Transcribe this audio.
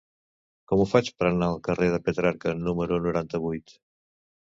Com ho faig per anar al carrer de Petrarca número noranta-vuit?